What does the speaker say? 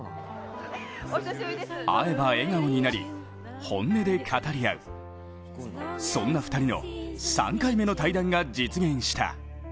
会えば笑顔になり、本音で語り合うそんな２人の３回目の対談が実現した。